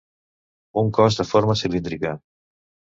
Un cos de forma cilíndrica.